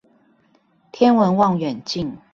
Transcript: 天文望遠鏡